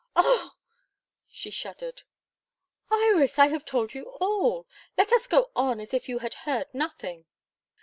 Oh!" she shuddered. "Iris! I have told you all. Let us go on as if you had heard nothing.